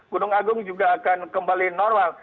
gunung agung juga akan kembali normal